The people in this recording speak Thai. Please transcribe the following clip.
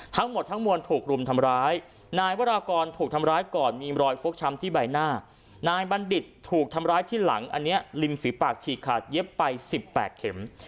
ทั้งหมดทั้งมวลถูกรุมทำร้ายนายวรากรถูกทำร้ายก่อนมีรอยฟกช้ำที่ใบหน้านายบัณฑิตถูกทำร้ายที่หลังอันนี้ริมฝีปากฉีกขาดเย็บไป๑๘เข็ม